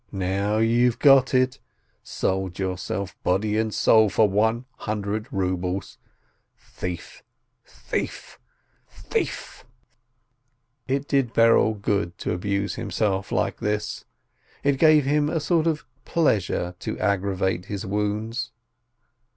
Now you've got it! Sold yourself body and soul for one hundred rubles ! Thief ! thief ! thief 1" It did Berel good to abuse himself like this, it gave him a sort of pleasure to aggravate his wounds.